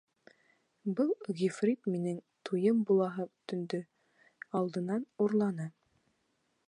— Был ғифрит мине туйым булаһы төндөң алдынан урланы.